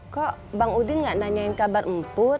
kok bang udin gak nanyain kabar empur